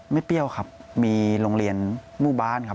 เปรี้ยวครับมีโรงเรียนหมู่บ้านครับ